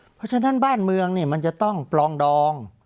เพราะฉะนั้นบ้านเมืองมันจะต้องปลองดอง